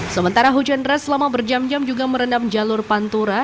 sementara hujan deras selama berjam jam juga merendam jalur pantura